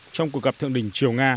trong cuộc gặp thượng đỉnh triều nga